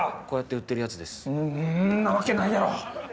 そんなわけないやろ！